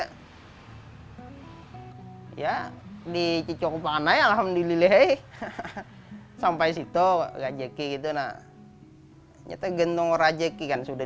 oh ya di cicokupanai alhamdulillah sampai situ gak jadi gitu nah nyata gendong rajeki kan sudah